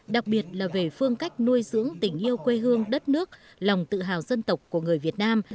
đặc biệt là về phương cách nuôi dưỡng tình yêu quê hương đất nước lòng tự hào dân tộc của người việt nam